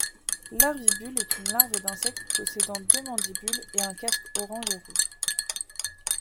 Larvibule est une larve d'insecte possédant deux mandibules et un casque orange et rouge.